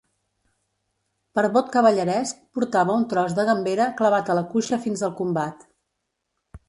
Per vot cavalleresc, portava un tros de gambera clavat a la cuixa fins al combat.